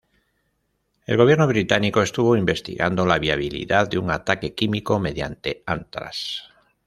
El Gobierno Británico estuvo investigando la viabilidad de un ataque químico mediante ántrax.